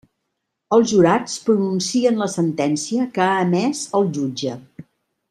Els jurats pronuncien la sentència que ha emès el jutge.